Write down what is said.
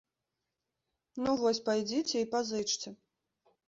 Ну вось, пайдзіце і пазычце.